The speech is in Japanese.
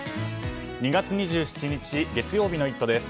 ２月２７日月曜日の「イット！」です。